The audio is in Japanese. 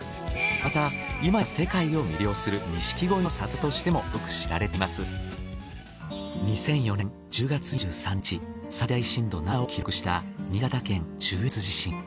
また今や世界を魅了する錦鯉の里としても２００４年１０月２３日最大震度７を記録した新潟県中越地震。